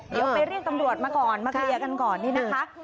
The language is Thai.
เดี๋ยวไปเรียกตำรวจมาก่อนมาเคลียร์กันก่อนนี่นะคะ